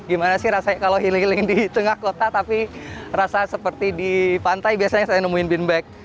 gimana sih rasa kalau healing healing di tengah kota tapi rasa seperti di pantai biasanya saya nemuin bin bag